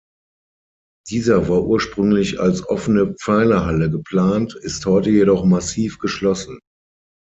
Dieser war ursprünglich als offene Pfeilerhalle geplant, ist heute jedoch massiv geschlossen.